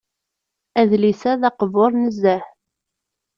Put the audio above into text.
Adlis-a d aqbuṛ nezzeh.